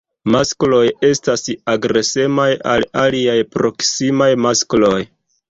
Maskloj estas agresemaj al aliaj proksimaj maskloj.